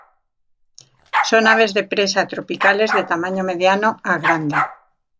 Son aves de presa tropicales de tamaño mediano a grande.